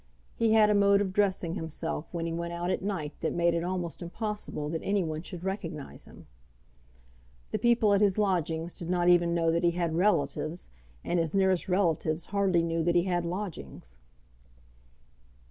He had a mode of dressing himself when he went out at night that made it almost impossible that any one should recognise him. The people at his lodgings did not even know that he had relatives, and his nearest relatives hardly knew that he had lodgings.